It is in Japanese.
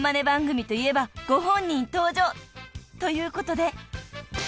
番組といえばご本人登場ということで］